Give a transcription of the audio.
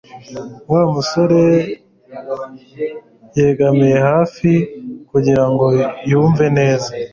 Wa musore yegamiye hafi kugirango yumve neza